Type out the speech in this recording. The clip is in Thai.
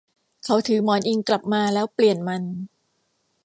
เขาถือหมอนอิงกลับมาแล้วเปลี่ยนมัน